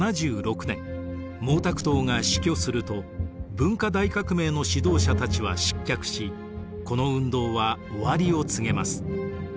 文化大革命の指導者たちは失脚しこの運動は終わりを告げます。